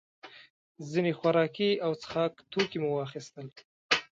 ځینې خوراکي او څښاک توکي مو واخیستل.